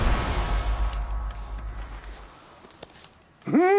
うん。